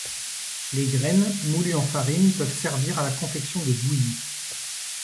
Les graines, moulues en farine, peuvent servir à la confection de bouillies.